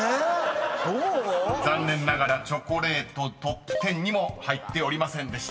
［残念ながら「チョコレート」トップ１０にも入っておりませんでした］